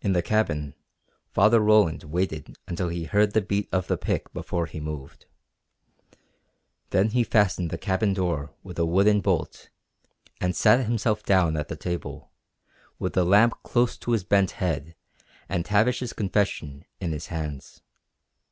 In the cabin Father Roland waited until he heard the beat of the pick before he moved. Then he fastened the cabin door with a wooden bolt and sat himself down at the table, with the lamp close to his bent head and Tavish's confession in his hands.